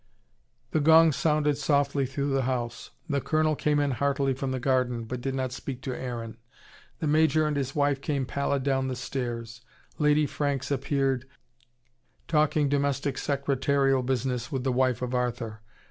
The gong sounded softly through the house. The Colonel came in heartily from the garden, but did not speak to Aaron. The Major and his wife came pallid down the stairs. Lady Franks appeared, talking domestic secretarial business with the wife of Arthur.